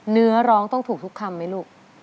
เนื้อร้องต้องถูกทุกคำไหมลูก